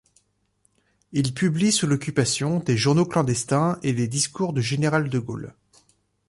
Il publie sous l'Occupation des journaux clandestins et les discours du général de Gaulle.